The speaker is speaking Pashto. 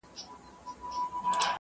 زه اجازه لرم چي موسيقي اورم